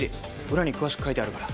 裏に詳しく書いてあるから。